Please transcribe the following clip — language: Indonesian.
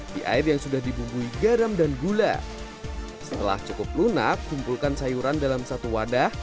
di air yang sudah dibumbui garam dan gula setelah cukup lunak kumpulkan sayuran dalam satu wadah